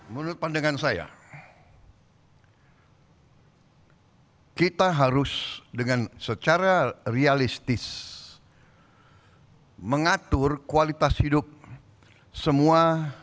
menurut pandangan saya kita harus dengan secara realistis mengatur kualitas hidup semua